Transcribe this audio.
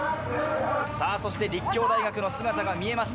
立教大学の姿が見えました。